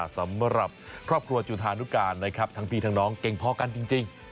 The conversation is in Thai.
สำหรับครอบครัวจุธานุการนะครับทั้งพี่ทั้งน้องเก่งพอกันจริง